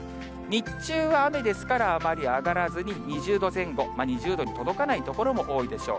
日中は雨ですからあまり上がらずに２０度前後、２０度に届かない所も多いでしょう。